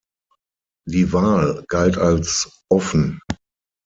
Die Wahl galt als offen.